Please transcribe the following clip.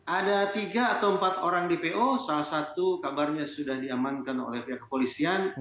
ada tiga atau empat orang dpo salah satu kabarnya sudah diamankan oleh pihak kepolisian